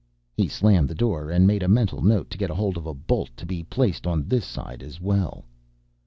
He slammed the door and made a mental note to get hold of a bolt to be placed on this side as well.